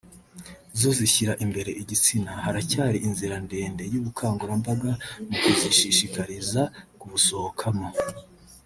zo zishyira imbere igitsina; haracyari inzira ndende y’ubukangurambaga mu kuzishishikariza kubusohokamo